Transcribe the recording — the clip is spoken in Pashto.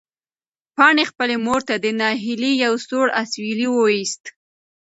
پاڼې خپلې مور ته د ناهیلۍ یو سوړ اسوېلی وویست.